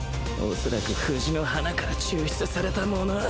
おそらく藤の花から抽出されたもの